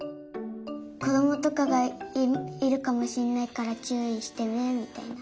こどもとかがいるかもしれないからちゅういしてねみたいな。